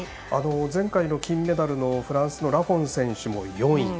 前回の金メダルのフランスのラフォン選手も４位。